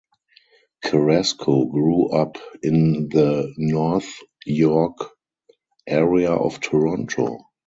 Carrasco grew up in the North York area of Toronto.